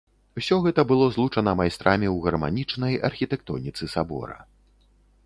Усё гэта было злучана майстрамі ў гарманічнай архітэктоніцы сабора.